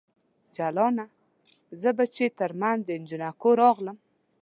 جلانه ! زه به چې ترمنځ د جنکیو راغلم